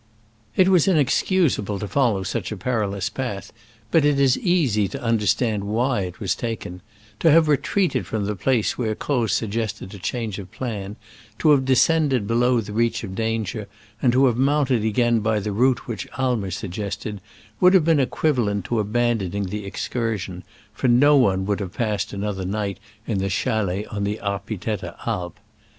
It was inexcusable to follow such a perilous path, but it is easy to under stand why it was taken. To have re treated from the place where Croz sug gested a change of plan, to have de scended below the reach of danger, and to have mounted again by the route Digitized by Google loS SCRAMBLES AMONGST THE ALPS IN i86o »69. which Aimer suggested, <vould have been equivalent to abandoning the ex cursion, for no one would have passed another night in the chalet on the Arpi tetta Alp.